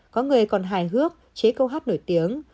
có người còn hài hước chế câu hát nổi tiếng